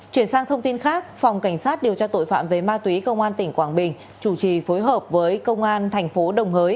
chuyển sang thông tin khác phòng cảnh sát điều tra tội phạm về ma túy công an tỉnh quảng bình chủ trì phối hợp với công an thành phố đồng hới